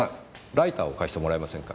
ライターを貸してもらえませんか？